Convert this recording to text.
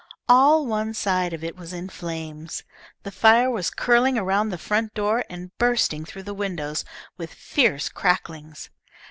All one side of it was in flames. The fire was curling around the front door and bursting through the windows with fierce cracklings.